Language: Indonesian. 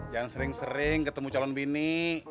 jangan sering sering ketemu calon bini